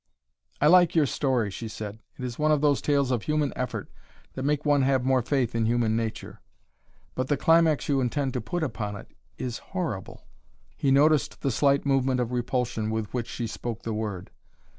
"I like your story," she said. "It is one of those tales of human effort that make one have more faith in human nature. But the climax you intend to put upon it is horrible!" He noticed the slight movement of repulsion with which she spoke the word.